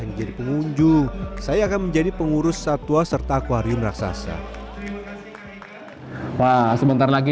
menjadi pengunjung saya akan menjadi pengurus satwa serta akuarium raksasa sementara lagi